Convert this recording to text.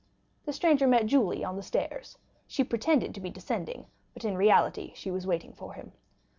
The stranger met Julie on the stairs; she pretended to be descending, but in reality she was waiting for him.